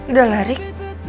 udah lah rik